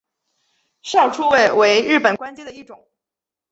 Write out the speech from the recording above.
少初位为日本官阶的一种。